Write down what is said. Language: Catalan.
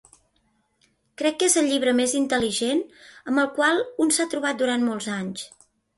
Crec que és el llibre més intel·ligent amb el qual un s'ha trobat durant molts anys.